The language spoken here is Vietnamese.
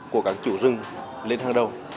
của các chủ rừng lên hàng đầu